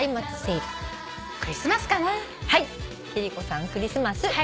貴理子さん「クリスマス」